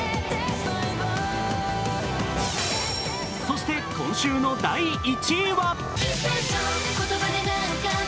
そして、今週の第１位は？